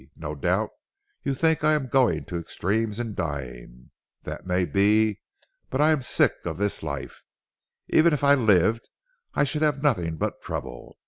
No doubt you think I am going to extremes in dying. That may be. But I am sick of this life. Even if I lived I should have nothing but trouble.